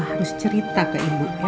harus cerita ke ibu ya